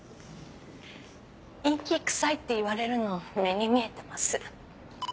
陰気くさいって言われるの目に見えてます。